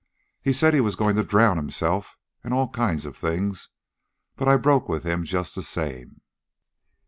He said he was going to drown himself, and all kinds of things, but I broke with him just the same.